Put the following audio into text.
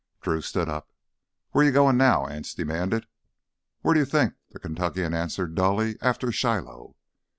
Drew stood up. "Where you goin' now?" Anse demanded. "Where d' you think?" the Kentuckian asked dully. "After Shiloh."